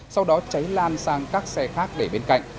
sau đó cháy lan sang các xe khác để bên cạnh